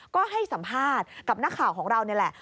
ก็ให้สัมภาษณ์กับนักข่าวของเรานี่แหละ